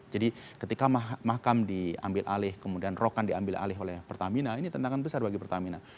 jadi ketika mahkam diambil alih kemudian rokan diambil alih oleh pertamina ini tantangan besar bagi pertamina